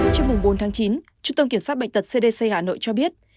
trên mùng bốn tháng chín trung tâm kiểm soát bệnh tật cdc hà nội cho biết